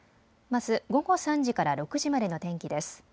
まず午後３時から６時までの天気です。